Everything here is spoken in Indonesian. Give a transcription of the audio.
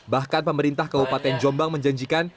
bahkan pemerintah kabupaten jombang menjanjikan